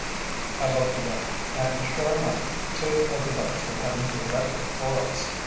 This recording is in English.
I looked again, and sure enough two of the boats were heading directly for us.